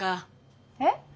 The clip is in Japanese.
えっ？